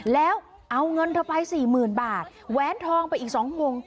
แล้วเอาเงินเธอไป๔๐๐๐๐บาทแว้นทองไปอีก๒โมง